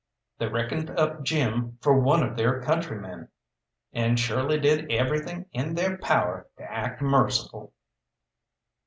They reckoned up Jim for one of their countrymen, and surely did everything in their power to act merciful.